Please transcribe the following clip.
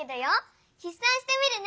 ひっ算してみるね。